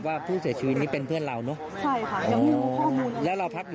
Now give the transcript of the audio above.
อยู่ชั้นอะไรเอ่ย